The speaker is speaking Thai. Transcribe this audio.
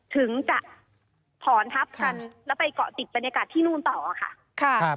ถึงจะถอนทับกันแล้วไปเกาะติดบรรยากาศที่นู่นต่อค่ะ